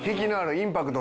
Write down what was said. インパクト。